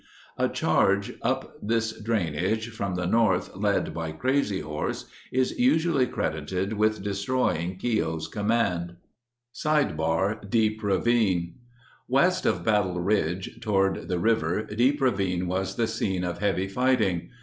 A charge up this drainage from the north led by Crazy Horse is usually credited with destroying Keogh's command. Next page: Custer Hill 105 © Deep Ravine West of Battle Ridge, toward the river, Deep Ravine was the scene of heavy fighting.